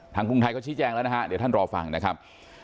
กรุงไทยเขาชี้แจงแล้วนะฮะเดี๋ยวท่านรอฟังนะครับ